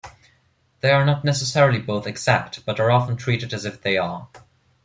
They are not necessarily both exact, but are often treated as if they are.